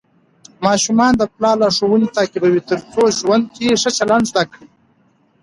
ماشومان د پلار لارښوونې تعقیبوي ترڅو ژوند کې ښه چلند زده کړي.